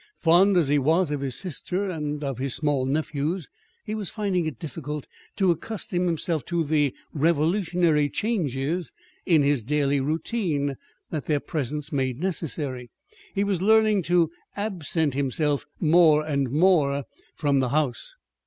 Fond as he was of his sister and of his small nephews, he was finding it difficult to accustom himself to the revolutionary changes in his daily routine that their presence made necessary. He was learning to absent himself more and more from the house.